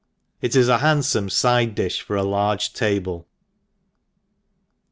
— It is a handfome iide di(h for a large tabic.